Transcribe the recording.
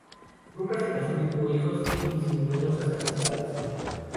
Nunca se casó ni tuvo hijos y sí numerosas amistades.